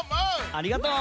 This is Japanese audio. ありがとう！